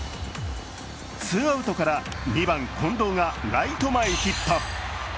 ツーアウトから２番・近藤がライト前ヒット。